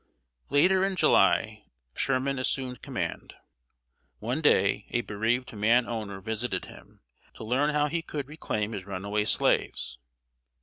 ] Later in July, Sherman assumed command. One day, a bereaved man owner visited him, to learn how he could reclaim his runaway slaves.